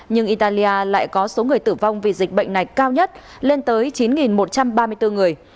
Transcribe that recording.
nhưng italia lại có số người tử vong vì dịch bệnh này cao nhất lên tới chín một trăm ba mươi bốn người